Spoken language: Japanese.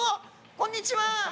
こんにちは。